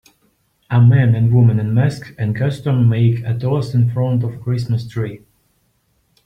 A man and woman in masks and costume make a toast in front of a christmas tree.